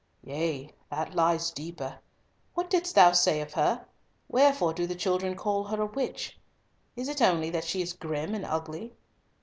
"Yea, that lies deeper. What didst thou say of her? Wherefore do the children call her a witch? Is it only that she is grim and ugly?"